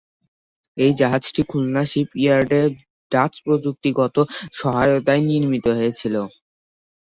এই জাহাজটি খুলনা শিপইয়ার্ডে ডাচ প্রযুক্তিগত সহায়তায় নির্মিত হয়েছিল।